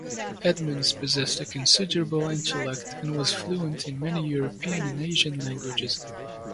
Edmonds possessed a considerable intellect and was fluent in many European and Asian languages.